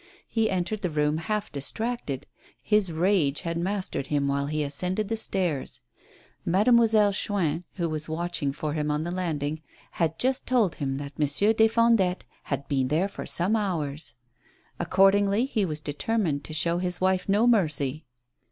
He entered the room half distracted ; his rage had mastered him while he ascended the stairs. Made moiselle Chuin, who was watching for him on the land ing, had just told him that Monsieur des Fondettes had been there for some hours. Accordingly he was deter mined to show his wife no mercy.